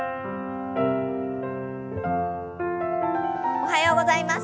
おはようございます。